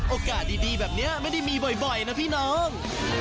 โอกาสดีแบบนี้ไม่ได้มีบ่อยนะพี่น้อง